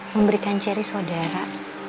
memberikan cherry saudara